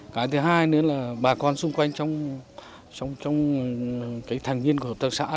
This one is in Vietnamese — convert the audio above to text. cái thứ hai nữa là bà con xung quanh trong cái thành viên của hợp tác xã